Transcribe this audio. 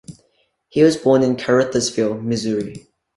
He was born in Caruthersville, Missouri.